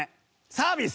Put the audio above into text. サービス。